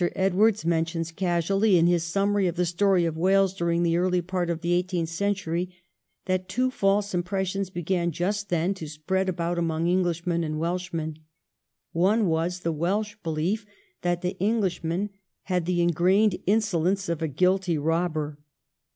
Edwards mentions casually in his summary of the story of Wales during the early part of the eighteenth century that two false impressions began, just then, to spread about among Englishmen and Welshmen. ' One was the Welsh belief that the Englishman had the ingrained insolence of a guilty robber.